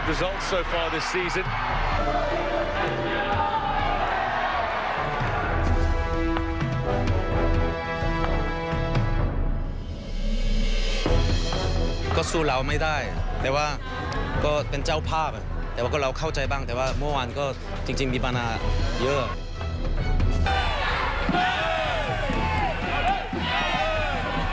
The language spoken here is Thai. ก็สู้เราไม่ได้แต่ว่าก็เป็นเจ้าภาพแต่ว่าก็เราเข้าใจบ้างแต่ว่าเมื่อวานก็จริงมีปัญหาเยอะ